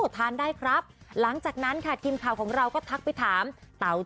ไม่ได้สนใจว่ากล้วยพันธุ์อะไร